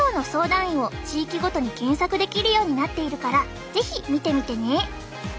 医を地域ごとに検索できるようになっているから是非見てみてね！